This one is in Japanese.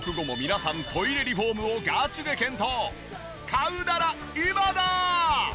買うならイマダ！